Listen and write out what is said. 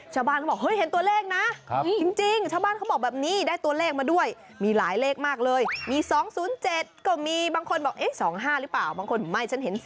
ชาวบ้านเขาบอกเฮ้ยเห็นตัวเลขนะ